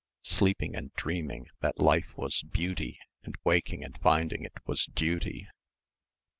sleeping and dreaming that life was beauty and waking and finding it was duty